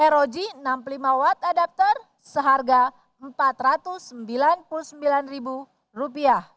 rog enam puluh lima watt adapter seharga rp empat ratus sembilan puluh sembilan